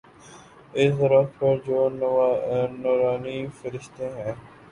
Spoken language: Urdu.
اس درخت پر جو نوارنی فرشتے ہیں۔